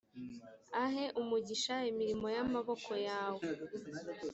ahe umugisha imirimo y’amaboko yawe.